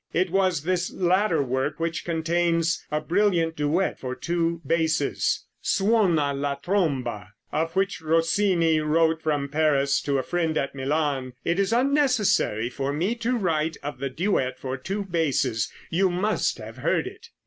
It was this latter work which contains a brilliant duet for two basses, "Suona la Tromba," of which Rossini wrote from Paris to a friend at Milan, "It is unnecessary for me to write of the duet for two basses. You must have heard it."